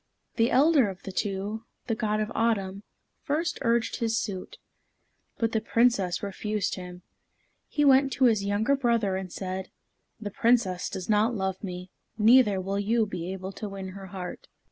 The elder of the two, the God of Autumn, first urged his suit. But the Princess refused him. He went to his younger brother and said, "The Princess does not love me, neither will you be able to win her heart."